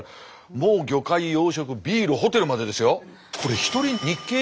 もう魚介養殖ビールホテルまでですよ。